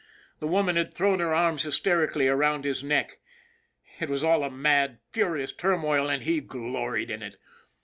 The woman had thrown her arms hyster ically around his neck. It was all a mad, furious turmoil, and he gloried in it.